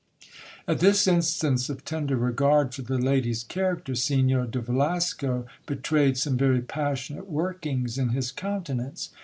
At this instance of tender regard for the lady's character, Signor de Velasco be rayed some very passionate workings in his countenance.